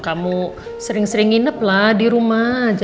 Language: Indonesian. kamu sering sering nginep lah di rumah aja